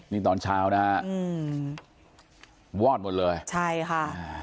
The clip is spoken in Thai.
นี่ตอนเช้านะฮะอืมวอดหมดเลยใช่ค่ะ